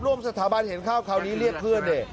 ร่วมสถาบันเห็นเข้าคราวนี้เรียกเพื่อนดิ